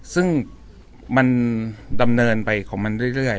ซึ่งมันดำเนินไปของมันเรื่อย